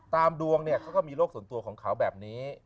ดวงเนี่ยเขาก็มีโรคส่วนตัวของเขาแบบนี้